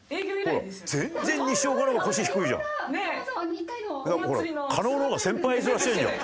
ほら加納の方が先輩面してるじゃん。